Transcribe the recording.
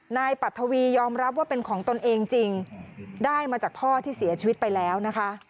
ปัททวียอมรับว่าเป็นของตนเองจริงได้มาจากพ่อที่เสียชีวิตไปแล้วนะคะ